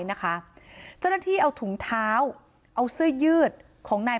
นะคะเจ้าหน้าที่เอาถุงเท้าเอาเสื้อยืดของนาย